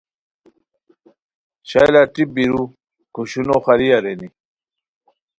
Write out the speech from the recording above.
شالہ ٹیپ بیرو کھوشونو خالی ارینی